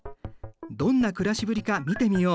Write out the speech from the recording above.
どんな暮らしぶりか見てみよう。